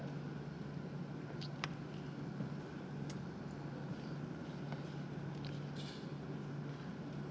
hai coba bayarnya nanti pasti our set